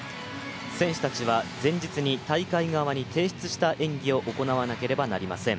選手たちは、前日に大会側に提出した演技を行わなければいけません。